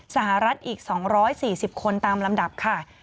สหรัฐอีก๒๔๐คนตามลำดับค่ะ